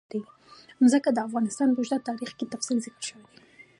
ځمکه د افغانستان په اوږده تاریخ کې په تفصیل ذکر شوی دی.